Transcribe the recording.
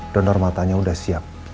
donor matanya udah siap